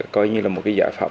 coi như là một cái giải pháp